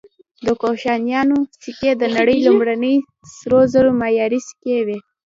د کوشانیانو سکې د نړۍ لومړني سرو زرو معیاري سکې وې